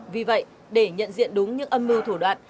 vì vậy để nhận diện đúng những âm mưu thủ đoạn